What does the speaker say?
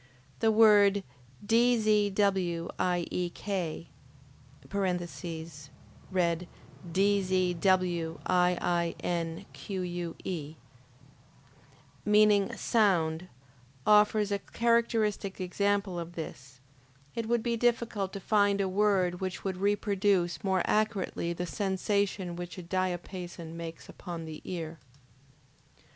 The word DZWIEK, (read DZWIINQUE,) meaning sound, offers a characteristic example of this; it would be difficult to find a word which would reproduce more accurately the sensation which a diapason makes upon the ear.